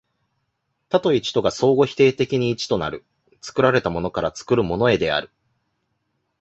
多と一とが相互否定的に一となる、作られたものから作るものへである。